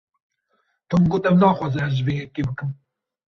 Tom got ew naxwaze ez vê yekê bikim.